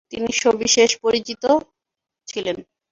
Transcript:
তিনি সবিশেষ পরিচিত ছিলেন ।